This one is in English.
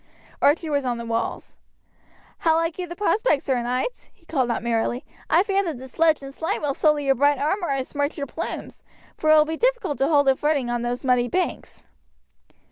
Archie was on the walls. "How like you the prospect, Sir Knights?" he called out merrily. "I fear that the sludge and slime will sully your bright armour and smirch your plumes, for it will be difficult to hold a footing on those muddy banks."